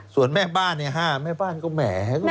ส่วนแม่บ้านเนี่ย๕แม่บ้านก็แหม